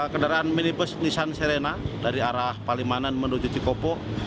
kendaraan minibus nissan serena dari arah palimanan menuju cikopo